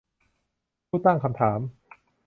ผู้ตั้งคำถาม